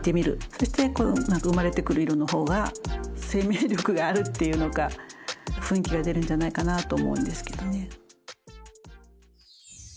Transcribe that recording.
そして生まれてくる色の方が生命力があるっていうのか雰囲気が出るんじゃないかなと思うんですけどね。